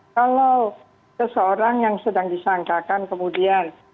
kalau seseorang yang sedang disangkakan kemudian